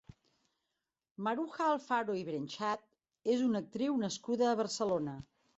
Maruja Alfaro i Brenchat és una actriu nascuda a Barcelona.